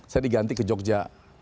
saya diganti ke jogja